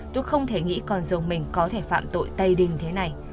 tôi không thể nghĩ con dâu mình có thể phạm tội tay đình thế này